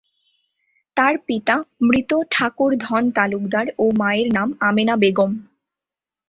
তার পিতা মৃত ঠাকুর ধন তালুকদার ও মায়ের নাম আমেনা বেগম।